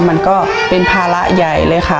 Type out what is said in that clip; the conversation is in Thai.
มันก็เป็นภาระใหญ่เลยค่ะ